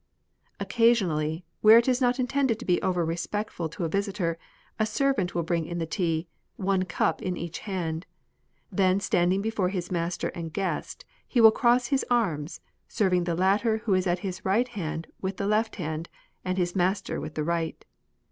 Occasionally, where it is not intended to be over respectful to a visitor, a ser vant will bring in the tea, one cup in each hand. Then standing before his master and guest, he will cross his arms, serving the latter who is at his right hand with the left hand, his master with the right.